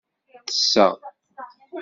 Tesseɣ.